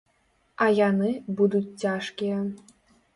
А яны будуць цяжкія.